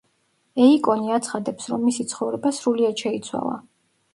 ეიკონი აცხადებს, რომ მისი ცხოვრება სრულიად შეიცვალა.